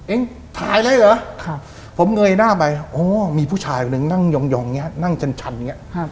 เองถ่ายอะไรเหรอผมเงยหน้าไปโอ้มีผู้ชายหนึ่งนั่งยองนี่นั่งจันทรรมนี่